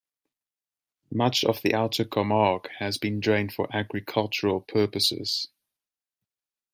Much of the outer Camargue has been drained for agricultural purposes.